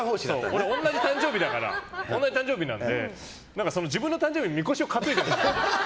俺、同じ誕生日なんで自分の誕生でみこしを担いでるって。